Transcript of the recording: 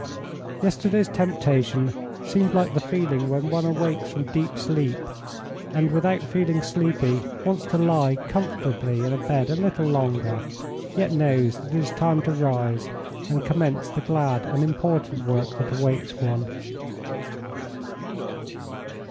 Yesterday's temptation seemed like the feeling when one awakes from deep sleep, and, without feeling sleepy, wants to lie comfortably in bed a little longer, yet knows that it is time to rise and commence the glad and important work that awaits one.